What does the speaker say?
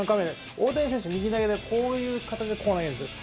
大谷選手、右投げで、こういう形でこう投げるんですよ。